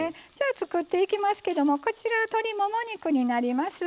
作っていきますけどもこちら、鶏もも肉になります。